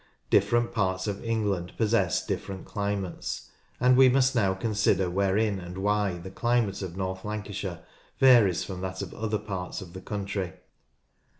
Different parts of England possess different climates, and we must now consider wherein and why the climate of North Lancashire varies from that of other parts of the country.